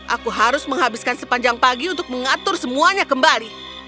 aku harus menghabiskan sepanjang pagi untuk mengatur semuanya kembali